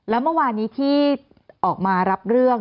แล้วเมื่อวานนี้ที่ออกมารับเรื่อง